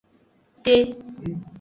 Te.